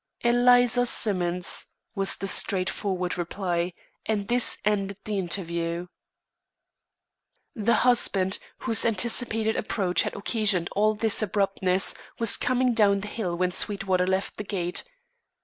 "Eliza Simmons," was the straightforward reply; and this ended the interview. The husband, whose anticipated approach had occasioned all this abruptness, was coming down the hill when Sweetwater left the gate.